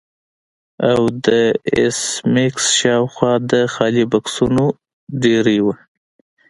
او د ایس میکس شاوخوا د خالي بکسونو ډیرۍ وه